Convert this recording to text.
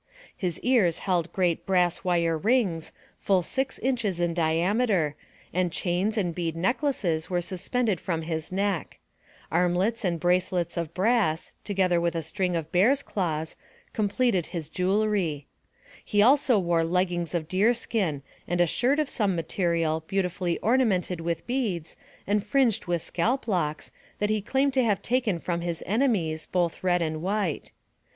His ears held great brass wire rings, full six inches in di ameter, and chains and bead necklaces were suspended from his neck; armlets and bracelets of brass, to gether with a string of bears' claws, completed his AMONG THE SIOUX INDIANS. 81 jewelry. He wore also leggings of deer skin, and a shirt of the same material, beautifully ornamented with beads, and fringed with scalp locks, that he claimed to have taken from his enemies, both red and white.